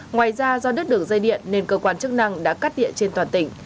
ngoài ra do đứt đường dây điện nên cơ quan chức năng đã cắt điện trên toàn tỉnh